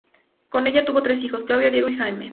Con ella tuvo tres hijos; Claudia, Diego y Jaime.